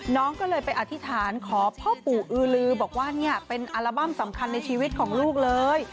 น้องก็เลยไปอธิษฐานขอพ่อปู่อือลือบอกว่าเนี่ยเป็นอัลบั้มสำคัญในชีวิตของลูกเลย